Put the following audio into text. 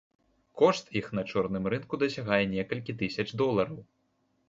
Кошт іх на чорным рынку дасягае некалькіх тысяч долараў.